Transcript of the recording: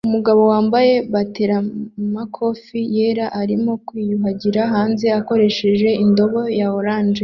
Umugabo wambaye bateramakofe yera arimo kwiyuhagira hanze akoresheje indobo ya orange